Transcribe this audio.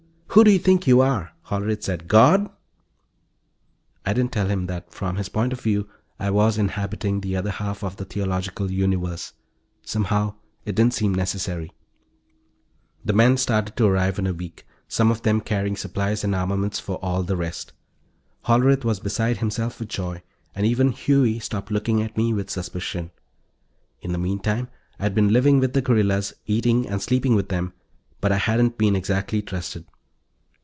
"Who do you think you are?" Hollerith said. "God?" I didn't tell him that, from his point of view, I was inhabiting the other half of the theological universe. Somehow, it didn't seem necessary. The men started to arrive in a week, some of them carrying supplies and armaments for all the rest. Hollerith was beside himself with joy, and even Huey stopped looking at me with suspicion. In the meantime, I'd been living with the guerrillas, eating and sleeping with them, but I hadn't been exactly trusted.